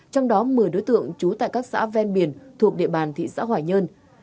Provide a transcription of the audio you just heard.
trong đó một mươi đối tượng trú tại các xã ven biển thuộc địa bàn thị xã hoài nhơn